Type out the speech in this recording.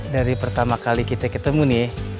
dari pertama kali kita ketemu nih